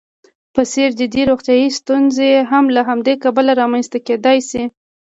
په څېر جدي روغیتايي ستونزې هم له همدې کبله رامنځته کېدلی شي.